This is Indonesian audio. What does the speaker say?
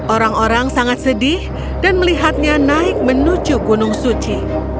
orang orang sangat sedih dan melihatnya naik menuju gunung suci